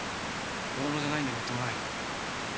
子供じゃないんだみっともない。